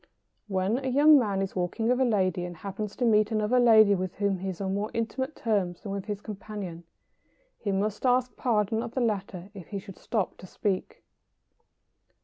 When a young man is walking with a lady, and happens to meet another lady with whom he is on more intimate terms than with his companion, he must ask pardon of the latter if he should stop to speak.